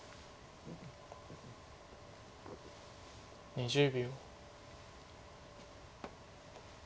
２０秒。